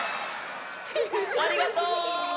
ありがとう！